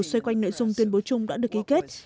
xoay quanh nội dung tuyên bố chung đã được ký kết